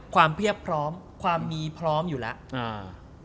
เพียบพร้อมความมีพร้อมอยู่แล้วอ่า